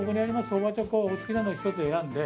そばちょこをお好きなのを１つ選んで。